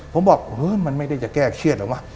ผมบอกมันไม่ได้จะแก้เครียดหรอกว่ะ